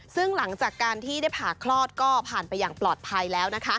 ซึ่งหลังจากการที่ได้ผ่าคลอดก็ผ่านไปอย่างปลอดภัยแล้ว